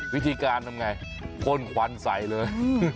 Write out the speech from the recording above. วิธีการทำไงพ่นควันใส่เลย